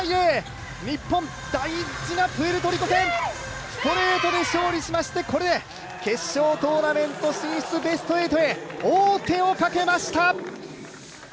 日本、大事なプエルトリコ戦、ストレートで勝利しましてこれで決勝トーナメント進出、ベスト８へ王手をかけました。